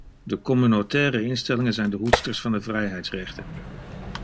De communautaire instellingen zijn de hoedsters van de vrijheidsrechten.